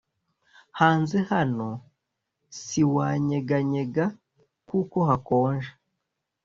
hanze hano siwa nyeganyega kuko hakonje